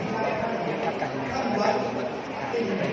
เพราะว่ามันมีเหตุภาพหลุมมาก